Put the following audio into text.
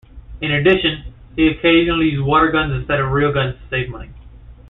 In addition, he occasionally used water guns instead of real guns to save money.